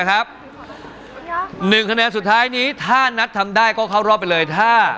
ถ้าทำไม่ได้๖คะแนนไปสำหรับพี่ป๋องนะครับ